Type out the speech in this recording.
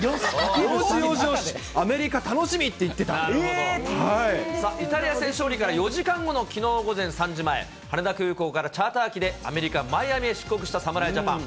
よしよしよし、アメリカ、楽しみさあ、イタリア戦勝利から４時間後のきのう午前３時前、羽田空港からチャーター機でアメリカ・マイアミへ出国した侍ジャパン。